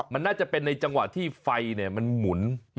มันน่าจะเป็นในจังหวะที่ไฟมันหมุน